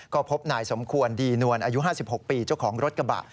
ก็พบนายสมควรดีนวลอายุ๕๖ปีเจ้าของรถกระบะ